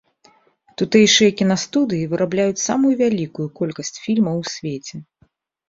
Тутэйшыя кінастудыі вырабляюць самую вялікую колькасць фільмаў у свеце.